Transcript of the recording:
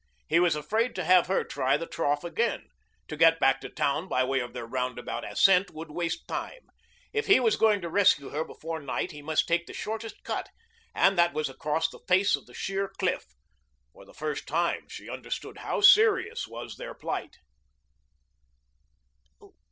He was afraid to have her try the trough again. To get back to town by way of their roundabout ascent would waste time. If he was going to rescue her before night, he must take the shortest cut, and that was across the face of the sheer cliff. For the first time she understood how serious was their plight.